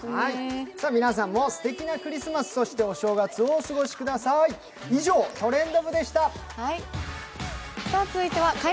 皆さんもすてきなクリスマス、そしてお正月をお過ごしください。